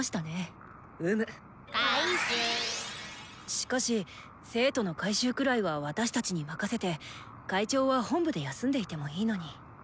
しかし生徒の回収くらいは私たちに任せて会長は本部で休んでいてもいいのに。